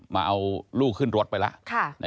มาเอาลูกขึ้นรถไปแล้ว